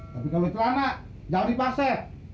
tapi kalau celana jangan dipaset